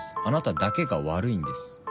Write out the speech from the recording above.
あなただけが悪いんです。